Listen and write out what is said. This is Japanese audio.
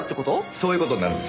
そういう事になるんです。